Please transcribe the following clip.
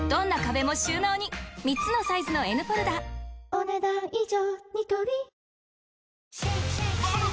お、ねだん以上。